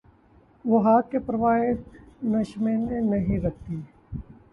وہ خاک کہ پروائے نشیمن نہیں رکھتی